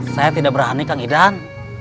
saya tidak berani kang idan